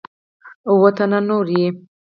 اووه تنه نور یې